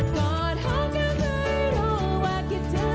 จัดไปเลยคุณผู้ชม